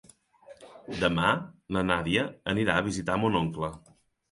Demà na Nàdia anirà a visitar mon oncle.